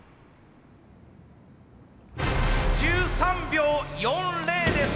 １３秒４０です！